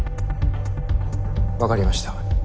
分かりました。